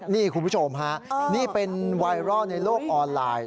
นี่คุณผู้ชมฮะนี่เป็นไวรัลในโลกออนไลน์